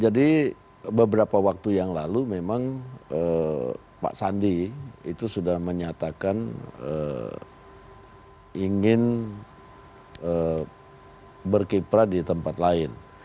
jadi beberapa waktu yang lalu memang pak sandi itu sudah menyatakan ingin berkipra di tempat lain